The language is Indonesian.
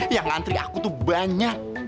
yang ngantri aku tuh banyak